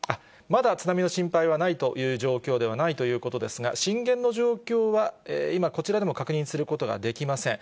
まだ津波の心配はないという状況ではないということですが、震源の状況は今、こちらでも確認することができません。